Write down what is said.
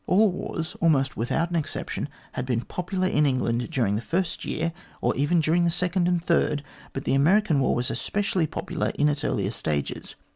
All wars, almost without an exception, had been popular in England during the first year, or even during the second and third, but the American war was especially popular in its earlier stages.